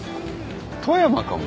富山かも。